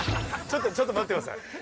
ちょっとちょっと待ってください。